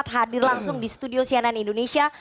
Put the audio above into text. hadir langsung di studio cnn indonesia